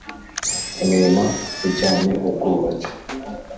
imirimo ijyanye ubwubatsi